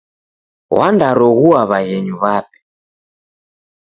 Wandaroghua w'aghenyu w'ape.